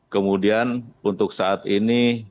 kemudian untuk saat ini